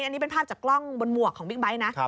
อันนี้เป็นภาพจากกล้องบนหมวกของบิ๊กไบท์นะ